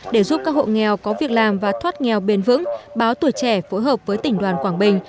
để giúp các hộ nghèo có việc làm và thoát nghèo bền vững báo tuổi trẻ phối hợp với tỉnh đoàn quảng bình